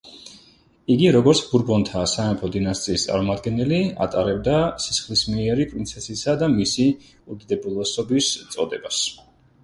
იგი, როგორც ბურბონთა სამეფო დინასტიის წარმომადგენელი, ატარებდა სისხლისმიერი პრინცესისა და მისი უდიდებულესობის წოდებას.